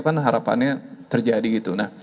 kan harapannya terjadi gitu